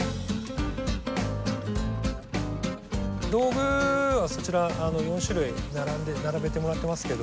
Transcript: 道具はそちら４種類並べてもらってますけど。